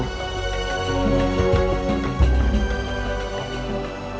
terima kasih paman